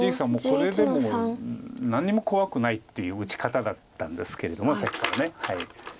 これでもう何にも怖くないっていう打ち方だったんですけれどもさっきから。